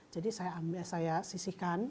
jadi saya sisihkan